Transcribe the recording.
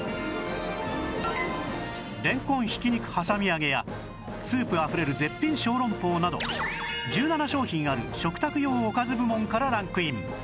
れんこんひき肉はさみ揚げやスープ溢れる絶品小籠包など１７商品ある食卓用おかず部門からランクイン